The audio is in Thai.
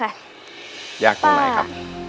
ยากตรงไหนครับ